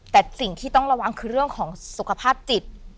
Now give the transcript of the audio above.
แต่สิ่งที่ต้องระวังคือเรื่องของสุขภาพจิต